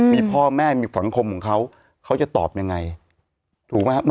มีพ่อแม่มีสังคมของเขาเขาจะตอบยังไงถูกไหมครับ